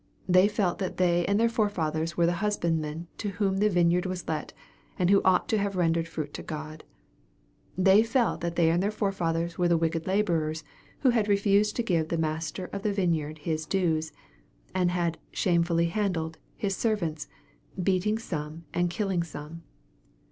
They felt that they and their forefathers were the husbandmen to whom the vineyard was let, and who ought to have rendered fruit to God. They felt that they and their forefathers were the wicked laborers, who had refused to give the Master of the vine yard His dues, and had " shamefully handled" His ser vants, " beating some, and killing some."